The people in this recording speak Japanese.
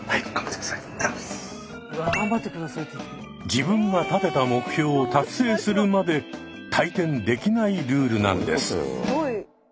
自分が立てた目標を達成するまで退店できないルールなんです。